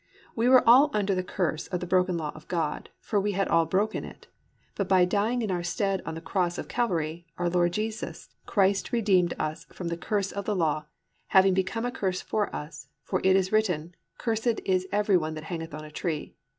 We were all under the curse of the broken law of God, for we had all broken it, but by dying in our stead on the cross of Calvary our Lord Jesus +"Christ redeemed us from the curse of the law, having become a curse for us; for it is written, cursed is every one that hangeth on a tree."